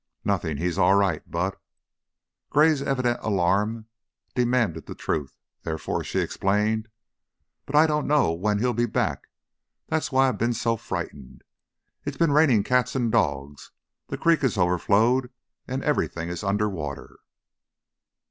"Nothing. He's all right, but" Gray's evident alarm demanded the truth, therefore she explained "but I don't know when he'll be back. That's why I've been so frightened. It has been raining cats and dogs; the creek has overflowed and everything is under water."